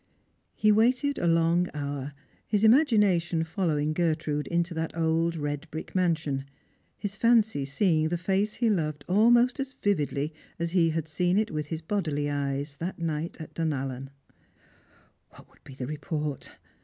He waited a long hour, his imagination following Gertrude into that old red brick mansion, his fancy seeing the face he loved almost as vividly as he had seen it with his bodily eyes that night at Dunallen. What would be the report?